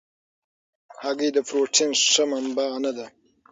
هګۍ د پروټین ښه منبع نه ده.